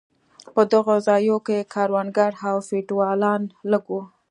په دغو ځایو کې کروندګر او فیوډالان لږ وو.